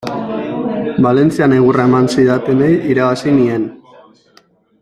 Valentzian egurra eman zidatenei irabazi nien.